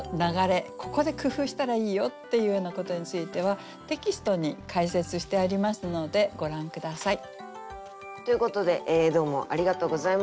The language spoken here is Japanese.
ここで工夫したらいいよっていうようなことについてはテキストに解説してありますのでご覧下さい。ということでどうもありがとうございました。